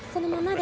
で